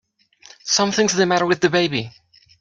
Something's the matter with the baby!